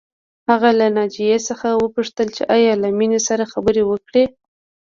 هغه له ناجیې څخه وپوښتل چې ایا له مينې سره خبرې وکړې